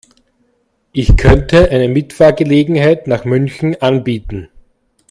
Ich könnte eine Mitfahrgelegenheit nach München anbieten